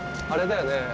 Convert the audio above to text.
あれだよね。